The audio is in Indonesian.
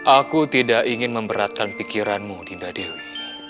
aku tidak ingin memberatkan pikiranmu dinda dewi